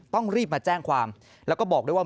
ต้องรีบมาแจ้งความแล้วก็บอกด้วยว่า